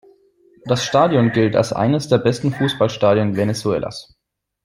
Das Stadion gilt als eines der besten Fußballstadien Venezuelas.